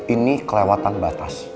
ini kelewatan batas